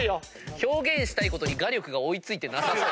表現したいことに画力が追い付いてなさ過ぎる。